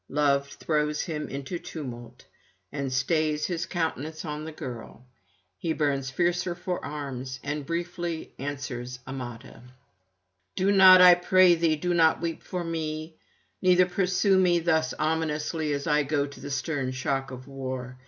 Love throws him into tumult, and stays his countenance on the girl: he burns fiercer for arms, and briefly answers Amata: 'Do not, I pray thee, do not weep for me, neither pursue me thus ominously as I go to the stern shock of war.